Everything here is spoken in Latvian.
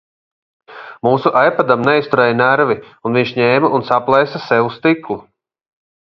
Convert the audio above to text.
Mūsu ipadam neizturēja nervi un viņš ņēma un saplēsa sev stiklu.